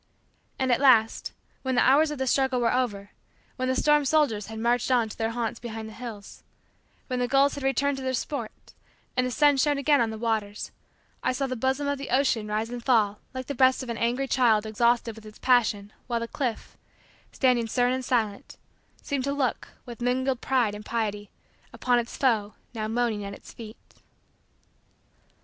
And at last, when the hours of the struggle were over; when the storm soldiers had marched on to their haunts behind the hills; when the gulls had returned to their sports; and the sun shone again on the waters; I saw the bosom of the ocean rise and fall like the breast of an angry child exhausted with its passion while the cliff, standing stern and silent, seemed to look, with mingled pride and pity, upon its foe now moaning at its feet.